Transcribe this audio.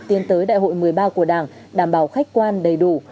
tiến tới đại hội một mươi ba của đảng đảm bảo khách quan đầy đủ